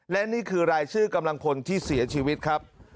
และนี่คือรายชื่อกำลังพลที่เสียชีวิตครับ